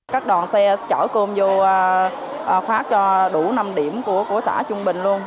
các đoàn xe chở cơm vô khoác cho đủ năm điểm của xã trung bình luôn